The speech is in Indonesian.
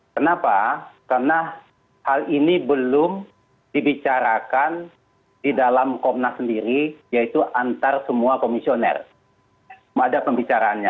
kami coba akan bicarakan dulu di internal kami